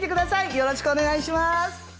よろしくお願いします！